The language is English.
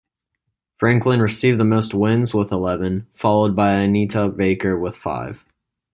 Franklin received the most wins with eleven, followed by Anita Baker with five.